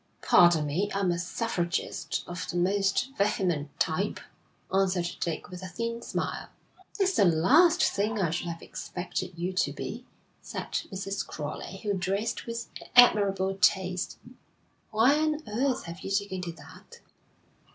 'Pardon me, I am a suffragist of the most vehement type,' answered Dick, with a thin smile. 'That's the last thing I should have expected you to be,' said Mrs. Crowley, who dressed with admirable taste. 'Why on earth have you taken to that?'